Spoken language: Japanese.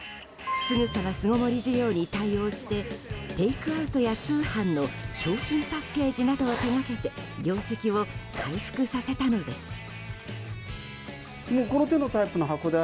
すぐさま巣ごもり需要に対応してテイクアウトや、通販の商品パッケージなどを手掛けて業績を回復させたのです。